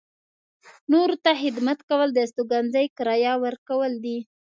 نورو ته خدمت کول د استوګنځي کرایه ورکول دي.